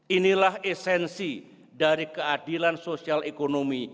inilah esensi dari keadilan sosial ekonomi